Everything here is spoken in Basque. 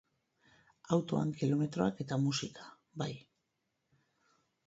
Autoan kilometroak eta musika, bai.